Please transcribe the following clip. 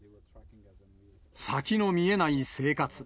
先の見えない生活。